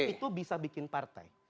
itu bisa bikin partai